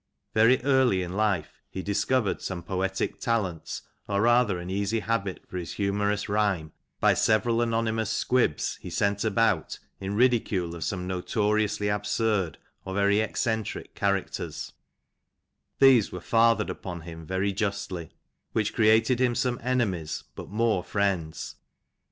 Very early in life he discovered some poetic talents, or rather an easy habit for humourous rhyme, by several anonymous squibs he sent about in ridicule of some notoriously absurd, or eccentric characters ; these were fathered upon him very justly, which created him some enemies, but more friends.